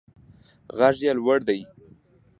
غږ یې لوړ دی.